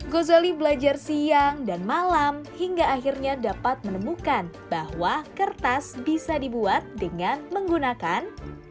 gozali belajar siang dan malam hingga akhirnya dapat menemukan bahwa kertas bisa dibuat dengan menggunakan